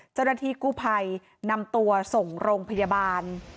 เจ้าหน้าที่กู้ภัยนำตัวส่งโรงพยาบาล